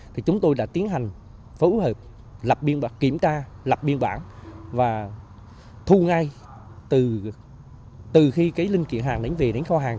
thì chúng tôi đã tiến hành phẫu hợp kiểm tra lập biên bản và thu ngay từ khi cái linh kiện hàng đánh về đánh kho hàng